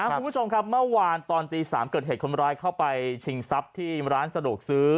คุณผู้ชมครับเมื่อวานตอนตี๓เกิดเหตุคนร้ายเข้าไปชิงทรัพย์ที่ร้านสะดวกซื้อ